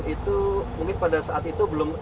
itu mungkin pada saat itu belum